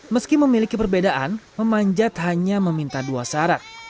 meski memiliki perbedaan memanjat hanya meminta dua syarat